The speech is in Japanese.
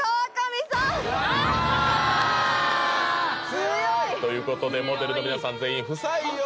強い！ということでモデルの皆さん全員不採用！